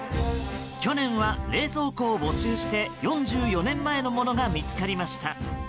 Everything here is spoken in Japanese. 去年は冷蔵庫を募集して４４年前のものが見つかりました。